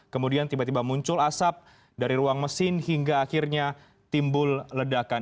kemudian tiba tiba muncul asap dari ruang mesin hingga akhirnya timbul ledakan